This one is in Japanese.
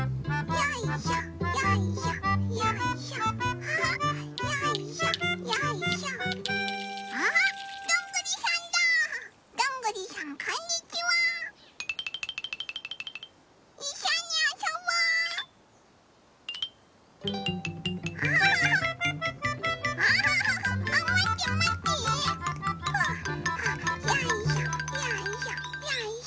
よいしょよいしょよいしょっと。